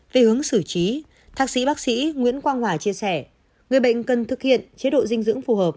về hướng xử trí thạc sĩ bác sĩ nguyễn quang hòa chia sẻ người bệnh cần thực hiện chế độ dinh dưỡng phù hợp